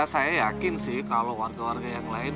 saya yakin sih kalau warga warga yang lain